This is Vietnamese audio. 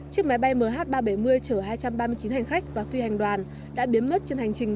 chiếc máy bay mh ba trăm bảy mươi chở hai trăm ba mươi chín hành khách và phi hành đoàn đã biến mất trên hành trình